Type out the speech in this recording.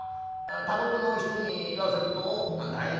他国の人に言わせると何だい？